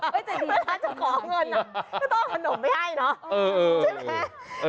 ไม่จริงถ้าร้านเจ้าของเงินไม่ต้องเอาขนมไปให้เนอะ